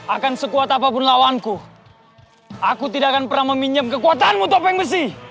akan sekuat apapun lawanku aku tidak akan pernah meminjam kekuatanmu topeng besi